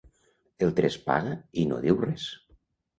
El tres paga i no diu res.